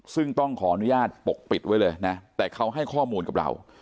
ซึ่งต้องขออนุญาตปกปิดไว้เลยนะแต่เขาให้ข้อมูลกับเรา